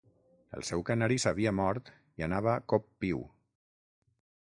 El seu canari s'havia mort i anava cop-piu.